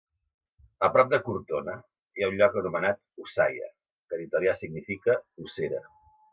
A prop de Cortona, hi ha un lloc anomenat Ossaia, que en italià significa ossera.